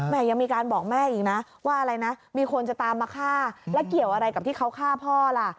ยังมีการบอกแม่อีกนะว่าอะไรนะมีคนจะตามมาฆ่าแล้วเกี่ยวอะไรกับที่เขาฆ่าพ่อล่ะ